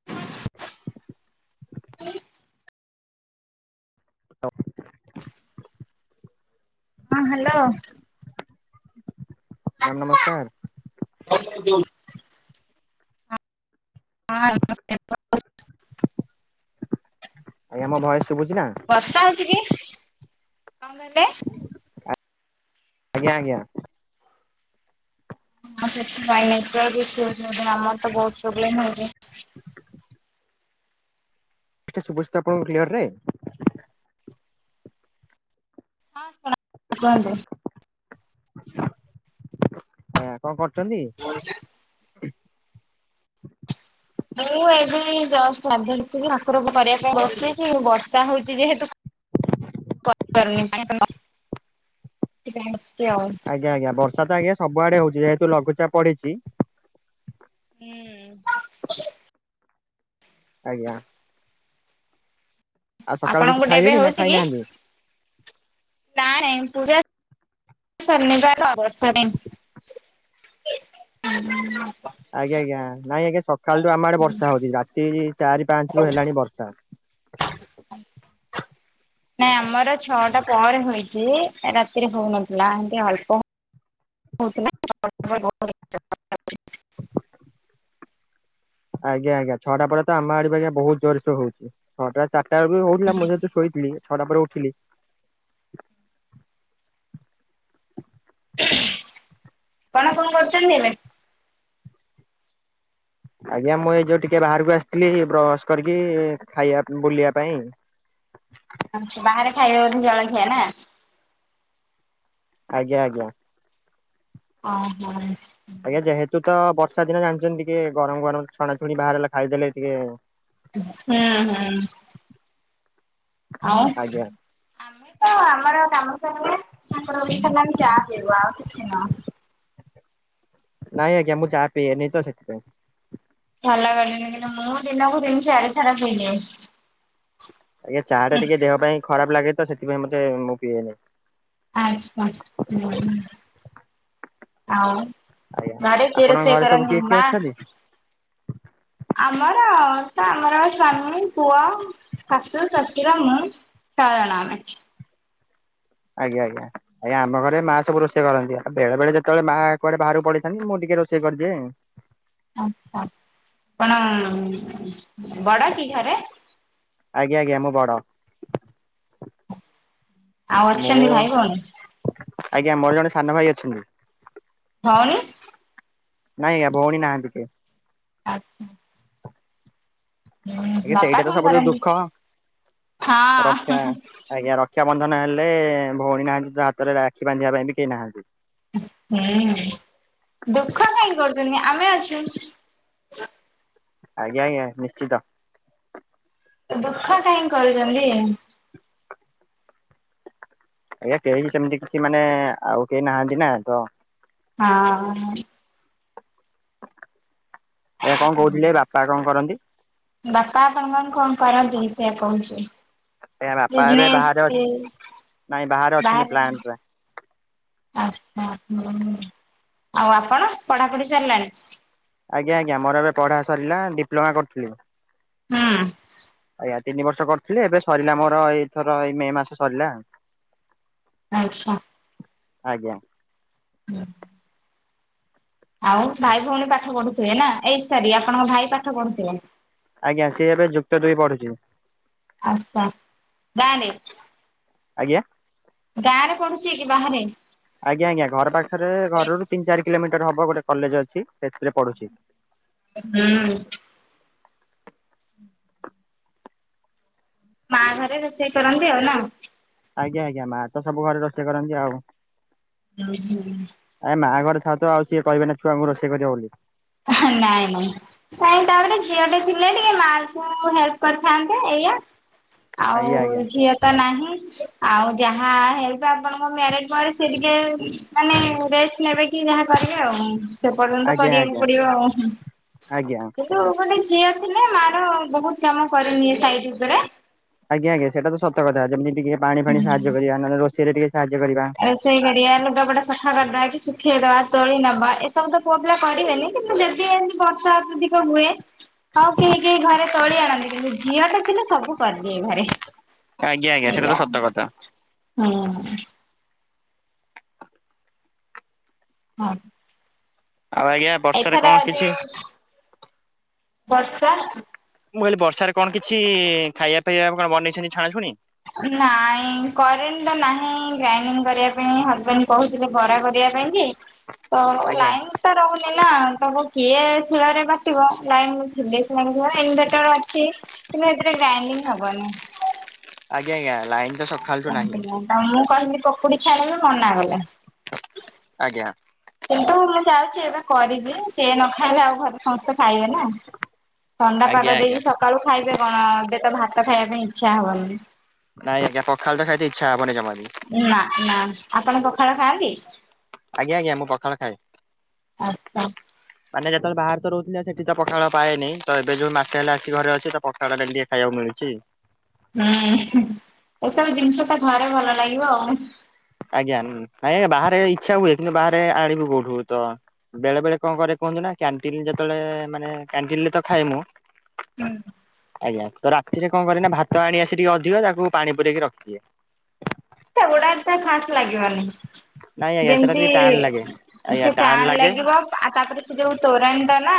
[inaudible] ରଖୁଚି। ହଁ hello. Ma'am ନମସ୍କାର। କଣ ମ ଏମିତି ହଉଚୁ? ହଁ ନମସ୍କାର ପ ଆଜ୍ଞା ମୋ ଭଏସ୍ ଶୁଭୁଚି ନା? ବର୍ଷା ହଉଚି କି? କଁ କହିଲେ? ଆଞା ଆଜ୍ଞା। ଆମ ସେଥିପାଇଁ ନେଟୱାର୍କ ଇସୁ ହୋଉଚି ବୋଧେ ଆମର ତ ବହୁତ ପ୍ରୋବ୍ଲେମ୍ ହଉଚି। ଟିକେ ଶୁଭୁଚି ତ ଆପଣଙ୍କୁ କ୍ଳିଅର୍ ରେ? ହଁ ଶୁଣା ଶୁଣାଦେ ଆଁ କଁ କରୁଚନ୍ତି? ବଇତି ମୁଁ ଏବେ ଏଇ ଜଷ୍ଟ ଗାଧେଇ ଲିସିଲି ଠାକୁର ପୂ କରିବା ପାଇଁ ବସିଚି ବର୍ଷା ହଉଚି ଯେହେତୁ [inaudible] [inaudible] ଆଉ ଆଜ୍ଞା ଆଜ୍ଞା। ବର୍ଷା ତ ଆଜ୍ଞା ସବୁଆଡେ ହଉଛି ଯେହେତୁ ଲଘୁଚାପ ପଡିଛି। ହୁଁ। ଆଜ୍ଞା। ଆଉ ସକାଳୁ କିଛି ଆପଣଙ୍କୁ ପଟେ ଏବେ ଖାଇଲେଣି ନା ହଉଛି କି? ଖାଇନାହାନ୍ତି? ନାଇ ନାଇଁ [unintelligible] ଉମ୍ ଆଜ୍ଞା ଆଜ୍ଞା। ନାଇଁ ଆଜ୍ଞା ସକାଳଠୁ ଆମ ଆଡେ ବର୍ଷା ହଉଛି। ରାତି ଚାରି ପାଞ୍ଚ ରୁ ହେଲାଣି ବର୍ଷା। [inaudible] [inaudible] ନାଇଁ ଆମର ଛଅଟା ପରେ ହୋଇଛି, ରାତିରେ ହଉନଥିଲା। ଏମିତି ଅଳ୍ପ ହଉଥିଲା [unintelligible] ଆଜ୍ଞା ଆଜ୍ଞ। ଛଅଟା ପରେ ଆମ ଆଡେ ବି ଆଜ୍ଞା ବୋହୁତ ଜୋରସେ ହଉଛି। ଛଅଟା ଚାରିଟାରେବି ହଉଥିଲା, ମୁଁ ଯେହେତୁ ଶୋଇଥିଲି ଛଟା ପରେ ଉଠିଲି। କଣ ସବୁ କରୁଛନ୍ତି ଏବେ? ଆଜ୍ଞା ମୁଁ ଏଇ ଯୋଉ ଟିକେ ବାହାରକୁ ଆସିଥିଲି ବ୍ରଶ କରିକି ଖାଇବା ବୁଲିବା ପାଇଁ। ଆଛାଲ ବାହାରେ ଖାଇବେ ବୋଧେ ଜଳଖିଆ ନା? ଆଜ୍ଞା ଆଜ୍ଞା। ଓହୋ। ଆଜ୍ଞା। ଯେହେତୁ ତ ବର୍ଷା ଦିନ ଜାଣିଛନ୍ତି ଟିକେ ଗରମ ଗରମ ଛଣା ଛୁଣି ବାହାରେ ହେଲେ ଖାଇଦେଲେ ଟିକେ ହୁଁ ହୁଁ। ଆଉ ଆଜ୍ଞା। ଆମେ ତ ଆମର କାମସାରିଲେ ତାଙ୍କର ଅଭ୍ୟାସ ହେଲାଣି ଚାହା ପିଇବା ଆଉ କିଛି ନୁହଁ। ନାଇଁ ଆଜ୍ଞା ମୁଁ ଚା ପିଏନି ନାଇଁ ତ ସେଥିପାଇଁ। ଭଲ [inaudible] କିନ୍ତୁ ମୁଁ ଦିନକୁ ତିନି ଚାରି ଥର ପି ଦିଏ। ଆଜ୍ଞା। ଚାହା ଟା ଟିକେ ଦେହ ପାଇଁ ଖରାପ ଲାଗେ ତ ସେଥିପାଇଁ ବୋଧେ ମୁଁ ପିଏନି। ଆଚ୍ଛା [unintelligible] ଆଉ ଆଜ୍ଞା। ଘରେ କିଏ ଆପଣଙ୍କ ରୋଷେଇ ଘରେ ସବୁ କରନ୍ତି କିଏ କିଏ ମା? ଅଛନ୍ତି ଆମର ତ ଆମର ସ୍ଵାମୀ ପୁଅ ଶାଶୁ ଶଶୁର ମୁଁ ଛଅଜଣ ଆମେ। ଆଜ୍ଞା ଆଜ୍ଞା। ଆଜ୍ଞା ଆମ ଘରେ ମା ସବୁ ରୋଷେଇ କରନ୍ତି। ଆ ବେଳେବେଳେ ଯେତେବେଳେ ମାଆ କୁଆଡେ ବାହାରକୁ ପଡିଥାନ୍ତି ମୁଁ ଟିକେ ରୋଷେଇ କରିଦିଏ ଆଉ। ଆଛା। ଆପଣ ବଡ଼ କି ଘରେ? ଆଜ୍ଞା ଆଜ୍ଞା ମୁଁ ବଡ। ଆଉ ମୁଁ ଅଛନ୍ତି ଭାଇ ଭଉଣୀ? ଆଜ୍ଞା ମୋର ଜଣେ ସାନ ଭାଇ ଅଛନ୍ତି। ଭଉଣୀ? ନାଇଁ ଭଉଣୀ ନାହାନ୍ତି କିଏ। ଆଚ୍ଛା। ଆଜ୍ଞା ବାପା ସେଇଟା ତ କଣ ସବୁ କରନ୍ତି? ଦୁଃଖ। ହଁ। ରକ୍ଷା ଆଜ୍ଞା ରକ୍ଷାବନ୍ଧନ ହେଲେ ଭଉଣୀ ନାହାନ୍ତି ତ ହାତରେ ରାକ୍ଷୀ ବାନ୍ଧିବା ପାଇଁ ବି କେହି ନାହାନ୍ତି। ଉଁ ହୁଁ ଦୁଃଖ କାଇହିଁକି କରନି ଆମେ ଅଛୁ। ଆଜ୍ଞା ଆଜ୍ଞା ନିଶ୍ଚିତ। ଦୁଃଖ କାହିଁ କରୁଛନ୍ତି। ଆଜ୍ଞା କେହି ସେମିତି କିଛି ମାନେ ଆଉ କେହି ନାହାନ୍ତି ନା। ତ ହଁ। କଣ କହୁଥିଲେ ବାପା କଣ କରନ୍ତି? ବାପା ଆପଣଙ୍କର କଣ କରନ୍ତି? ସେଇଆ କହୁଛି। ଆଜ୍ଞା ବାପା ଏବେ ବିଜନେସ୍ ବାହାରେ କି ଅଛି ନାଇଁ ଅଛନ୍ତି ବାହାରେ ପ୍ଲାଣ୍ଟରେ ଆଉ ଆପଣ ପଢାପଢ଼ି ସରିଲାଣି। ଆଜ୍ଞା ଆଜ୍ଞା ମୋର ଏବେ ପଢା ସରିଲା ଡିପ୍ଲୋମା କରୁଥିଲି। ହଁ। ଆଜ୍ଞା ତିନି ବର୍ଷ କରିଥିଲି ଏବେ ସରିଲା ମୋର ଏଇଥର ଏଇ ମେ ମାସ ସରିଲା। ଆଚ୍ଛା। ଆଜ୍ଞା। ହଁ। ଆଉ ଭାଇ ଭଉଣୀ ପାଠ ପଢୁଥିବେ ନା ଏଇ ସରି ଆପଣଙ୍କ ଭାଇ ପାଠ ପଢୁଥିବ? ଆଜ୍ଞା ସିଏ ଏବେ ଯୁକ୍ତ ଦୁଇ ପଢୁଛି। ଆଚ୍ଛା ଗାଆଁ ରେ। ଆଜ୍ଞା। ଗାଁ ରେ ପଢୁଛି କି ବାହାରେ? ଆଜ୍ଞା ଆଜ୍ଞା ଘର ପାଖରେ ଘରରୁ ତିନି ଚାରି କିଲୋମିଟର ହବ ଗୋଟେ କଲେଜ ଅଛି ସେଥିରେ ପଢୁଛି। ହୁଁ। ମା ଘରେ ରୋଷେଇ କରନ୍ତି ଆଉ ନା। ଆଜ୍ଞା ଆଜ୍ଞା ମା ତ ସବୁ ଘରେ ରୋଷେଇ କରନ୍ତି ଆଉ [inaudible] ଆ ମାଆ ଘରେ ଥାଉ ତ ଆଉ ସିଏ କହିବେ ନା ଛୁଆଙ୍କୁ ରୋଷେଇ କରିବ ବୋଲି। ହଁ ନାଇଁ ନାଇଁ। ସେଇଟା ତାପରେ ଝିଅଟେ ଥିଲେ ଟିକେ ମା ଝିଅଙ୍କୁ ହେଲ୍ପ କରିଥାନ୍ତେ ଏଇଆ। ଆଉ ଆଜ୍ଞା ଆଜ୍ଞା ଝିଅ ତ ତ ନାହିଁ ଆଉ ଯାହା ହେଲପ ଆପଣଙ୍କ ମ୍ୟାରେଜ ସେ ଟିକେ ମାନେ ରେଷ୍ଟ ନେବେ କି ଯାହା କରିବେ ଆଉ ସେ ପର୍ଯ୍ୟନ୍ତ ଆଜ୍ଞା ଆଜ୍ଞା କରିବେନି। ପଡିବ ଆଉ ଆଜ୍ଞା କିନ୍ତୁ ଗୋଟେ ଝିଅ ଥିଲେ ମା ର ବହୁତ କାମ କରିନିଏ ସାଇଟ ଉପରେ ଆଜ୍ଞା ଆଜ୍ଞା ସେଇଟା ତ ସତ କଥା ଯେମିତି ଟିକେ ପାଣି ଫାଣି ସାହାଯ୍ୟ କରିବା ନହଲେ ରୋଷେଇରେ ଟିକେ ସାହାଯ୍ୟ କରିବା। ରୋଷେଇ କରିବା ଲୁଗାପଟା ସଫା କରିଦବା କି ଶୁଖେଇଦବା ତୋଳି ନବା ଏସବୁ ତ ପୁଅ ପିଲା କରିବେନି କିନ୍ତୁ ଜଦିି ଏନ୍ ବର୍ଷା ଅତ୍ୟଧିକ ହୁଏ। ହଉ କେହି କେହି ଘରେ ତୋଳି ଆଣନ୍ତି କିନ୍ତୁ ଝିଅଟା ଥିଲେ ସବୁ କରିଦିଏ ଘରେ। ଆଜ୍ଞା ଆଜ୍ଞା ସେଇଟା ତ ଏଇଆ ସତ କଥା। ହୁଁ। ହଁ। ଆଉ ଆଜ୍ଞା। ବର୍ଷାରେ ଏଥର କଣ କିଛି ଯୋଉ ବର୍ଷା ମୁଁ କହିଲି ବର୍ଷାରେ କଣ କିଛି ଖାଇବା ପିବା କଣ ବନେଇଛନ୍ତି ଛଣାଛଣି? ନାଇଁ କରେଣ୍ଟ ତ ନାହିଁ ଗ୍ରାଇଣ୍ଡିଙ୍ଗ କରିବା ପାଇଁ ହଜବେଣ୍ଡ କହୁଥିଲେ ବରା କରିବା ପାଇଁ କି? ତ ଆଜ୍ଞା ଲାଇନ୍ ତ ରହୁନି ନା ତାକୁ କିଏ ଶିଳରେ ବାଟିବ ଲାଇନ ଇନଭଟର ଅଛି। କିନ୍ତୁ ଏଥିରେ ଗ୍ରାଇଣ୍ଡିଂ ହବନି। ଆଜ୍ଞା ଆଜ୍ଞା ଲାଇନ୍ ମୁଁ କହିଲି ପକୁଡି ଛାଣିବି ମନା କଲେ। ଆଜ୍ଞା। କିନ୍ତୁ ମୁଁ ଯାଉଛି ଏବେ କରିବି ସିଏ ନ ଖାଇଲେ ଆଉ ଘରେ ସମସ୍ତେ ଖାଇବେ ନା? ଥଣ୍ଡା ଆଜ୍ଞା ପାଗ ଆଜ୍ଞା ଦେଇକି ସକାଳୁ ଖାଇବେ କଣ ଏବେ ତ ଭାତ ଖାଇବା ପାଇଁ ଇଚ୍ଛା ହବନି। ନାଇଁ ଆଜ୍ଞା ପଖାଲ୍ ତ ଖାଇତ ଇଚ୍ଛା ହେବନି ଯମାବି। ନା ନା ଆପଣ ପଖାଳ ଖାଆନ୍ତି? ଆଜ୍ଞା ଆଜ୍ଞା ମୁଁ ପଖାଳ ଖାଏ। ଆଚ୍ଛା। ମାନେ ଯେତେବେଳେ ବାହାରେ ତ ରହୁଥିଲା ସେଠି ତ ପଖାଳ ପାଏନିଁ ତ ଏବେ ଯୋଉ ମାସେ ହେଲେ ଆସି ଘରେ ଅଛି ତ ପଖାଳଟେ ଟିକେ ଖାଇବାକୁ ମିଳିଛି। ହୁଁ ଏସବୁ ଜିନିଷ ତ ଥରେ ଭଲ ଲାଗିବ ଆଉ। ଆଜ୍ଞା ନାଇଁ ଆଜ୍ଞା ବାହାରେ ଇଚ୍ଛା ହୁଏ କିନ୍ତୁ ବାହାରେ ଆଣିବୁ କୋଉଠୁ ତ? ବେଳେ ବେଳେ କଁ କରେ କୁହନ୍ତୁ ନା କ୍ୟାଣ୍ଟିନ୍ ଯେତବେଳେ ମାନେ କ୍ୟାଣ୍ଟିନ୍ ରେ ତ ଖାଏ ମୁଁ। ଆଜ୍ଞା ତ ରାତିରେ କଣ କରେ ନା ଭାତ ଆଣି ଆସି ଟିକେ ଅଧିକ ତାକୁ ପାଣି ପୁରେଇକି ରଖିଦିଏ। ସେଗୁଡା ଏତେ ଖାସ୍ ଲାଗିବନି ନାଇଁ ଆଜ୍ଞା ସେଟା ଯେମତି ଟିକେ ଟାଣ ଲାଗେ ଆଜ୍ଞା ସେ ଟାଣ ଟାଣ୍ ଲାଗେ ଲାଗିବ ଆ ତାପରେ ସେ ଯୋଉ ତୋରାଣିଟା ନା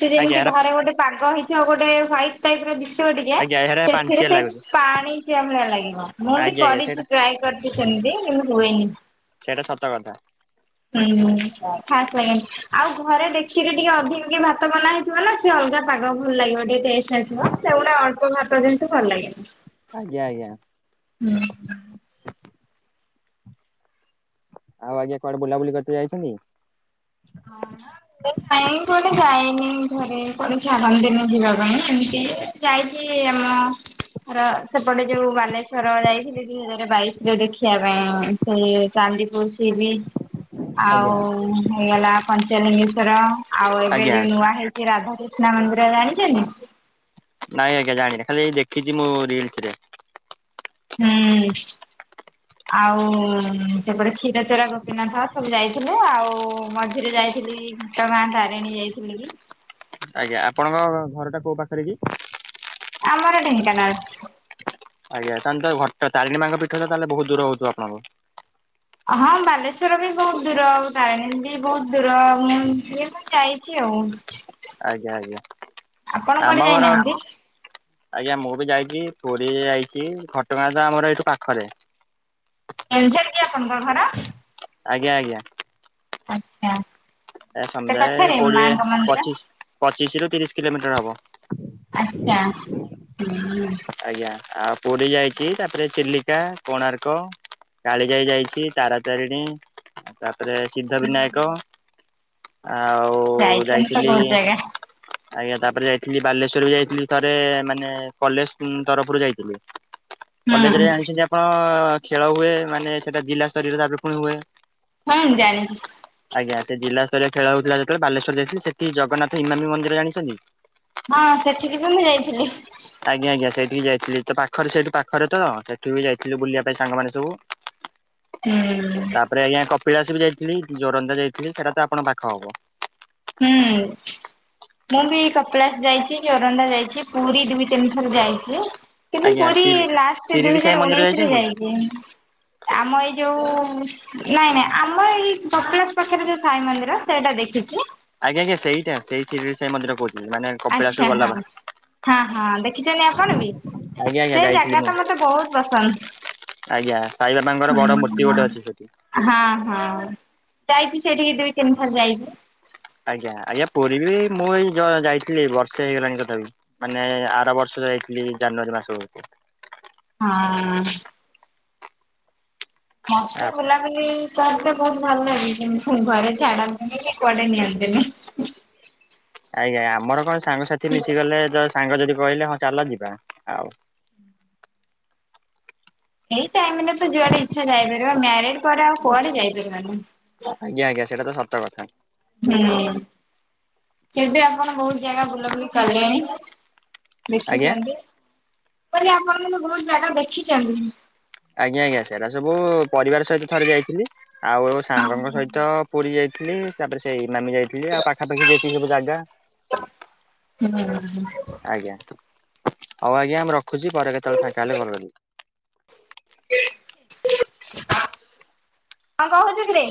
ସେ ଆଜ୍ଞା ଯେମିତି ହେରା ଘରେ ଗୋଟେ ପାଗ ହେଇଚି ଆଉ ଗୋଟେ ହ୍ୱାଇଟ୍ ଟାଇପ୍ ର ଦିଶିବ ଟିକେ ଆଜ୍ଞା ହେରା ସେଥିରେ ପାଞ୍ଚିଆ ସେଇ ଲାଗୁଛି ପାଣିଚିଆ ଭଳିଆ ଲାଗିବ ମୁଁ ବି ଆଜ୍ଞା ଆଜ୍ଞା କରିଚି ସେଇଟା ଟ୍ରାଏ କରି ସେମତି କିନ୍ତୁ ହୁଏନି। ସେଇଟା ସତ କଥା। ହୁଁ ହୁଁ ଖାସ୍ ଲାଗେନି। ଆଉ ଘରେ ଡେକିଚିରେ ଟିକେ ଅଧିକ କିଏ ଭାତ ବନା ହେଇ ଥିବ ନା ସେ ଅଲଗା ପାଗ ଭଲ ଲାଗିବ ଟିକେ ଟେଷ୍ଟ ଆସିବ। ସେଗୁଡା ଅଳ୍ପ ଭାତ ଜିନିଷ ଭଲ ଲାଗେନି। ଆଜ୍ଞା ଆଜ୍ଞା। ହୁଁ। ଆଉ ଆଜି ଏ କୁଆଡ଼େ ବୁଲାବୁଲି କରି ତେ ଯାଇଛନ୍ତି? ହଁ ନା। ନାଇଁ କୁଆଡେ ଯାଇନି ଘରେ କୁଆଡ଼େ ଛାଡ଼ନ୍ତିନି ଯିବା ପାଇଁ ଏମିତି ଯାଇଚି ଆମ ର ସେପଟେ ଯୋଉ ବାଲେଶ୍ଵର ଯାଇଥିଲି ଦୁଇ ହଜାର ବାଇଶରେ ଦେଖିବା ପାଇଁ ସେ ଚାନ୍ଦିପୁର୍ ସି ବିଚ୍। ଆଉ ଆଜ୍ଞା ହେଇଗଲା ପଞ୍ଚଲିଙ୍ଗେଶ୍ଵର ଆଉ ଏବେ ଆଜ୍ଞା ଯୋଉ ନୂଆ ହେଇ ଚି ରାଧାକୃଷ୍ଣ ମନ୍ଦିର ଜାଣିଚନ୍ତି? ନାଇଁ ଆଜ୍ଞା ଜାଣିନି ଖାଲି ଏଇ ଦେଖିଚି ମୁଁ ରିଲସ୍ ରେ। ହୁଁ। ଆଉ ସେପଟେ କ୍ଷୀର ଚରା ଗୋପିନାଥ ସବୁ ଯାଇଥିଲୁ ଆଉ ମଝିରେ ଯାଇଥିଲି ତ ମା ତାରିଣୀ ଯାଇଥିଲି କି? ଆଜ୍ଞା ଆପଣଙ୍କ ଘରଟା କୋଉ ପାଖରେ କି? ଆମର ଢେଙ୍କାନାଳ। ଆଜ୍ଞା ତାଆନ୍ ତ ଘଟ ତାରିଣୀ ମା ଙ୍କ ପିଠ ତାଲେ ବହୁତ୍ ଦୂର ହଉଥିବ ଆପଣଙ୍କୁ ହଁ ବାଲେଶ୍ଵର ବି ବହୁତ୍ ଦୂର ତାରିଣୀ ବି ବହୁତ୍ ଦୂର ମୁଁ ଇମିତି ଏ ଯାଇଚି ଆଉ ଆଜ୍ଞା ଆଜ୍ଞା ଆପଣ ଆମ କୁଆଡେ ଘର ଯାଇନାହାନ୍ତି। ଆଜ୍ଞା ମୁଁ ବି ଯାଇଚି। ପୁରୀ ଯାଇଛି। ଘଟଗାଁ ତ ଆମର ଏଇଠୁ ପାଖରେ। କେଉଁଝର କି ଆପଣଙ୍କ ଘର? ଆଜ୍ଞା ଆଜ୍ଞା। ଆଚ୍ଛା। ଏ ଏତେ ସମୁଦାଏ ପାଖରେ କୋଡିଏ ମାଙ୍କ ମନ୍ଦିର। ପଚିଶ ପଚିଶି ରୁ ତିରିଶ କିଲୋମିଟର ହବ। ଆଚ୍ଛା ହୁଁ। ଆଜ୍ଞା ଆଉ ପୁରୀ ଯାଇଛି ତାପରେ ଚିଲିକା, କୋଣାର୍କ କାଳିଜାଇ ଯାଇଛି ତାରାତାରିଣୀ ତାପରେ ସିଦ୍ଧ ବିନାୟକ ଆଉ ଯାଇଛନ୍ତି ତ ଯାଇଥିଲି ବହୁତ ଜାଗା। ଆଜ୍ଞା ତାପରେ ଯାଇଥିଲି ବାଲେଶ୍ଵର ବି ଯାଇଥିଲି ଥରେ ମାନେ କଲେଜ୍ ଉନ୍ ତରଫରୁ ଯାଇଥିଲୁ ହୁଁ କଲେଜେରେ ଜାଣିଛନ୍ତି ଆପ୍ ହଁ ଖେଳ ହୁଏ ମାନେ ସେଟା ଜିଲ୍ଲା ସ୍ତରୀୟରେ ତାପରେ ପୁଣି ହୁଏ। ହୁଁ ଜାଣିଚି। ଆଜ୍ଞା, ସେ ଜିଲ୍ଲା ସ୍ତରୀୟ ଖେଳ ହଉଥିଲା, ଯେତେବେଳେ ବାଲେଶ୍ୱର ଯାଇଥିଲି। ସେଠି ଜଗନ୍ନାଥ ହିମାମି ମନ୍ଦିର ଜାଣିଛନ୍ତି? ହଁ, ସେଠିକି ବି ମୁଁ ଯାଇଥିଲି। ଆଜ୍ଞା, ଆଜ୍ଞା, ସେଇଠିକି ଯାଇଥିଲି ତ, ପାଖରେ ସେଇଠୁ ପାଖରେ ତ, ସେଠି ବି ଯାଇଥିଲୁ ବୁଲିବା ପାଇଁ ସାଙ୍ଗମାନେ ସବୁ। [inaudible] ହୁଁ। ତାପରେ ଆଜ୍ଞା କପିଳାସ ବି ଯାଇଥିଲି ଜୋରନ୍ଦା ଯାଇଥିଲି ସେଇଟା ତ ଆପଣଙ୍କ ପାଖ ହବ। ହୁଁ। ଆ ମୁଁ ବି କପିଳାସ ଯାଇଚି ଯୋରନ୍ଦା ଯାଇଚି ପୁରୀ ଦୁଇ ତିନି ଥର ଯାଇଚି। କିନ୍ତୁ ଆଜ୍ଞା ପୁରୀ ସିରି ଲାଷ୍ଟ ଦୁଇ ଶିରିଡି ସାଇ ହଜାର ମନ୍ଦିର ଉଣେଇଶ ରେ ଯାଇଛନ୍ତି? ଯାଇଛଚି। ଆମ ଏଇ ଯୋଉ ନାଇଁ ନାଇଁ ଆମର ଏଇ କପିଳାସ ପାଖରେ ଯୋଉ ସାଇ ମନ୍ଦିର ସେଇଟା ଦେଖିଚି। ଆଜ୍ଞା ଆଜ୍ଞା ସେଇଟା ସେଇ ସିରିଡି ଶାଇ ମନ୍ଦିର କହୁଥିଲି, ମାନେ ଆଚ୍ଛା କପିଳାଶରୁ ହଁ ଗଲା ବା ହଁ ହଁ ଦେଖିଚନ୍ତି ଆପଣ ବି ଆଜ୍ଞା ଆଜ୍ଞା ସେ ଯାଇଥିଲି ଜାଗା ମୁଁ ତ ମତେ ବହୁତ ପସନ୍ଦ। ଆଜ୍ଞା ସାଇବାବାଙ୍କର ବଡ ମୂର୍ତ୍ତି ଗୋଟେ ଅଛି ସେଠି। ହଁ ହଁ ଯାଇଚି ସେଠିକି ଦୁଇ ତିନି ଥର ଯାଇଚି। ଆଜ୍ଞା ଆଜ୍ଞା ପୁରୀ ବି ମୁଁ ଏଇ ଯ ଯାଇଥିଲି ବର୍ଷେ ହେଇଗଲାଣି ତଥାପି। ମାନେ ଆର ବର୍ଷ ଯାଇଥିଲି ଜାନୁଆରୀ ମାସବଳକୁ। ହଁ। ମଝିରେ ଗୁଲାପୀ ପି ତାର ଟା ବହୁତ ଭଲ ଲାଗେ କିନ୍ତୁ। ଘରେ ଛାଡନ୍ତିନି କି କୁଆଡେ ନିଅନ୍ତିନି। ଆଜ୍ଞା ଆମର କଣ ସାଙ୍ଗସାଥି ମିଶିଗଲେ। ସାଙ୍ଗ ଯଦି କହିଲେ ହଁ ଚାଲ ଯିବା ଆଉ। ଏଇ ଟାଇମରେ ତ ଯୁଆଡେ ଇଛା ଯାଇପାରିବ ମ୍ୟାରେଜ ପରେ ଆଉ କୁଆଡେ ଯାଇପାରିବନି। ଆଜ୍ଞା ଆଜ୍ଞା ସେଟା ତ ସତ କଥା। ହୁଁ ଏବେ ଆପଣ ବହୁତ ଜାଗା ବୁଲାବୁଲି କଲେଣି। ଆଜ୍ଞା ମିଶିଚନ୍ତି ମାନେ ଆପଣ ମାନ ବହୁତ ଜାଗା ଦେଖିଚନ୍ତି। ଆଜ୍ଞା ଆଜ୍ଞା ସେଇଟା ସବୁ ପରିବାର ସହିତ ଥରେ ଯାଇଥିଲି ଆଉ ହୁଁ। ସାଙ୍ଗଙ୍କ ସହିତ ପୁରୀ ଯାଇଥିଲି ତାପରେ ସେଇ ଇମାମି ଯାଇଥିଲି ଆଉ ପାଖାପାଖି ଯାଇଥିଲି ସବୁ ଜାଗା ହୁଁ। ଆଜ୍ଞା ହଉ ଆଜ୍ଞା ଆମେ ରଖୁଚି। ପରେ କେତେବେଳେ ଫାଙ୍କା ହେଲେ କଲ କରିବି। ଆଉ କଣ କହୁଚୂ କିରେ?